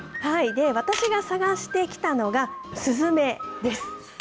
私が探してきたのが、スズメです。